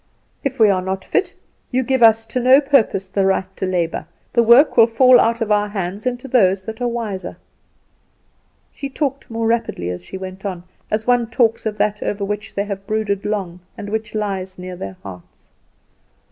If we are not fit, you give us, to no purpose, the right to labour; the work will fall out of our hands into those that are wiser." She talked more rapidly as she went on, as one talks of that over which they have brooded long, and which lies near their hearts.